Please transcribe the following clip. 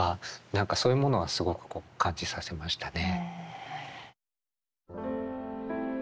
何かそういうものはすごくこう感じさせましたね。